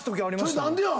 それ何でや？